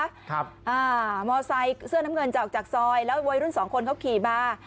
ครับอ่ามอไซค์เสื้อน้ำเงินจะออกจากซอยแล้ววัยรุ่นสองคนเขาขี่มา